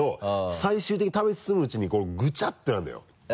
最終的に食べ進むうちにこうグチャッとなるのよ。